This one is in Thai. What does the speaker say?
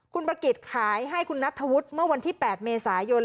คุณประกิจขายให้คุณนัทธวุฒิเมื่อวันที่๘เมษายน